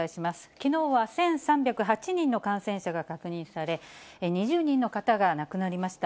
きのうは１３０８人の感染者が確認され、２０人の方が亡くなりました。